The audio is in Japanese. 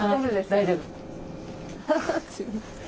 大丈夫。